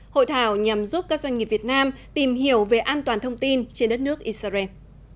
hội thảo nhằm giúp các doanh nghiệp việt nam tìm hiểu về an toàn thông tin trên đất nước israel